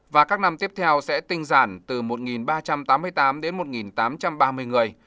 và các năm tiếp theo sẽ tinh giản từ một ba trăm tám mươi tám đến một tám trăm ba mươi người